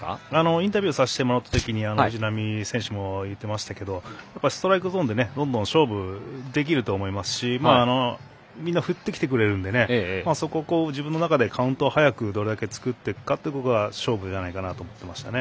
インタビューさせてもらった時に藤浪選手も言っていましたけどストライクゾーンどんどん勝負できると思いますし振ってきてくれてるんで自分の中でカウントどう作っていくかが勝負じゃないかなと言っていました。